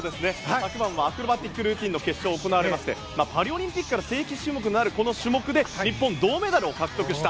昨晩はアクロバティックルーティンの決勝が行われましてパリオリンピックから正式種目になるこの種目で日本、銅メダルを獲得した